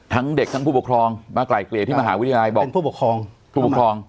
ทั้งเด็กทั้งผู้ปกครองมาไก่เกลี่ยที่มหาวิทยาลัยเป็นผู้ปกครอง